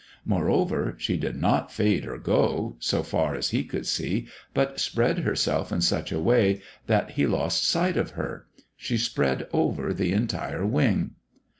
Moreover, she did not fade or go, so far as he could see, but spread herself in such a way that he lost sight of her. She spread over the entire Wing....